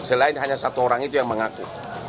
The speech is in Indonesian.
selain hanya satu orang itu yang mengaku